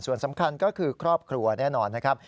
ส่วนสำคัญก็คือครอบครัวแน่นอนนะครับ